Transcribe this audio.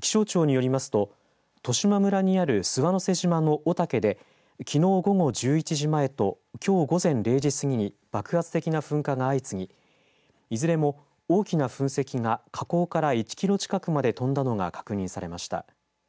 気象庁によりますと十島村にある諏訪之瀬島の御岳できのう午後１１時前ときょう午前０時すぎに爆発的な噴火が相次ぎいずれも大きな噴石が火口から１キロ近くまで飛んだのが確認されました。